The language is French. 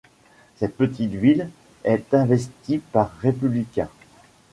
Cette petite ville est investie par républicains.